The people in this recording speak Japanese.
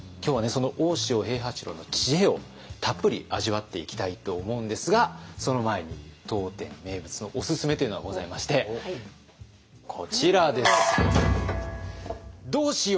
その大塩平八郎の知恵をたっぷり味わっていきたいと思うんですがその前に当店名物のオススメというのがございましてこちらです。